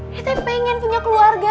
dedete pengen punya keluarga